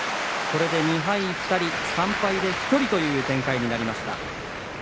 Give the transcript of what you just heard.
これで２敗２人３敗で１人という展開になりました。